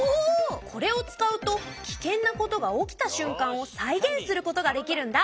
これを使うとキケンなことが起きたしゅん間を再現することができるんだ！